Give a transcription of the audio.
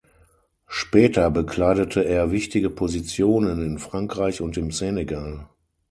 Später bekleidete er wichtige Positionen in Frankreich und im Senegal.